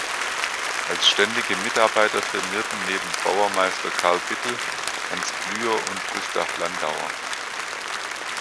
Als ständige Mitarbeiter firmierten neben Bauermeister Karl Bittel, Hans Blüher und Gustav Landauer.